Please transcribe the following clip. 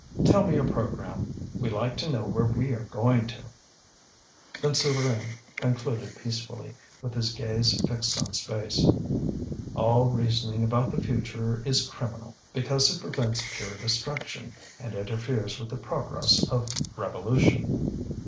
"Tell me your programme. We like to know where we are going to." Then Souvarine concluded peacefully, with his gaze fixed on space: "All reasoning about the future is criminal, because it prevents pure destruction, and interferes with the progress of revolution."